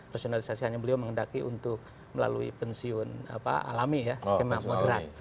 rasionalisasi hanya beliau mengendaki untuk melalui pensiun alami ya skema moderat